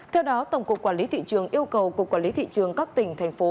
theo đó tổng cục quản lý thị trường yêu cầu cục quản lý thị trường các tỉnh thành phố